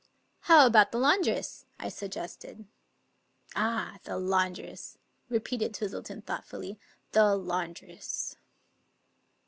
"How about the laundress?" I suggested. "Ah! the laundress," repeated Twistleton thoughtfully; "the laundress."